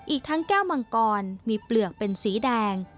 อีกทั้งแก้วมังกรมีเปลือกเป็นสีแดง